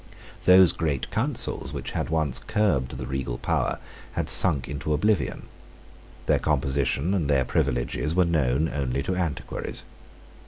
Those great councils which had once curbed the regal power had sunk into oblivion. Their composition and their privileges were known only to antiquaries.